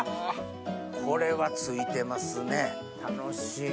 これはついてますね楽しみ。